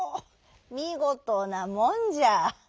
みごとなもんじゃ」。